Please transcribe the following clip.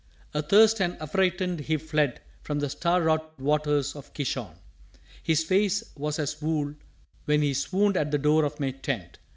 Athirst and affrightened he fled from the star wrought waters of Kishon. His face was as wool when he swooned at the door of my tent.